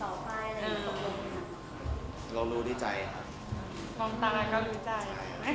แล้วเราของคนละคะมีการสัญญากันไหมว่าจากนี้เราจะเป็นคนคนเดียวแล้วนะ